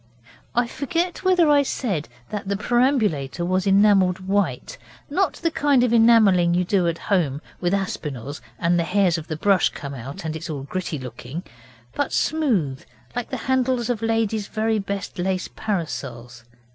I forget whether I said that the perambulator was enamelled white not the kind of enamelling you do at home with Aspinall's and the hairs of the brush come out and it is gritty looking, but smooth, like the handles of ladies very best lace parasols.